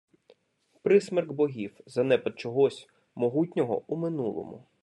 Присмерк богів - занепад чогось, могутнього у минулому